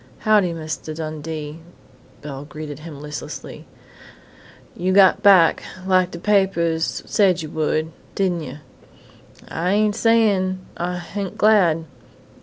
"Howdy, Mistah Dundee," Belle greeted him listlessly. "You got back, lak de papers said you would, didn' yuh? An' I ain't sayin' I ain't glad!